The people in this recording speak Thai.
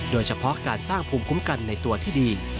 โดยเฉพาะการสร้างภูมิคุ้มกันในตัวที่ดี